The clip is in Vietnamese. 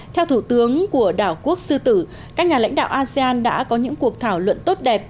theo thủ tướng của đảo quốc sư tử các nhà lãnh đạo asean đã có những cuộc thảo luận tốt đẹp